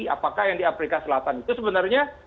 apakah yang di afrika selatan itu sebenarnya